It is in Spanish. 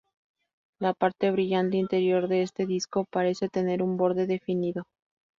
La parte brillante interior de este disco parece tener un borde definido.